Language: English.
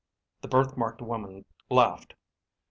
The birthmarked woman laughed.